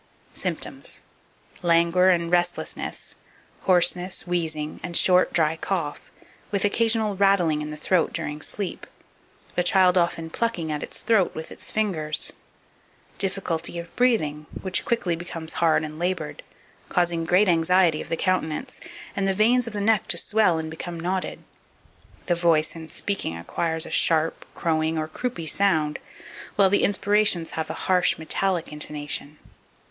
2569. Symptoms. Languor and restlessness, hoarseness, wheezing, and short, dry cough, with occasional rattling in the throat during sleep, the child often plucking at its throat with its fingers; difficulty of breathing, which quickly becomes hard and laboured, causing great anxiety of the countenance, and the veins of the neck to swell and become knotted; the voice in speaking acquires a sharp, crowing, or croupy sound, while the inspirations have a harsh, metallic intonation.